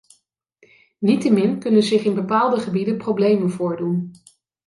Niettemin kunnen zich in bepaalde gebieden problemen voordoen.